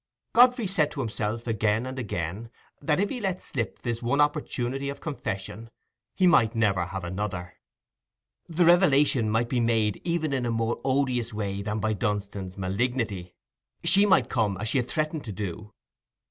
Godfrey said to himself again and again, that if he let slip this one opportunity of confession, he might never have another; the revelation might be made even in a more odious way than by Dunstan's malignity: she might come as she had threatened to do.